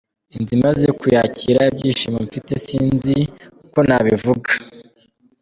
Inzu maze kuyakira, ibyishimo mfite sinzi uko nabivuga.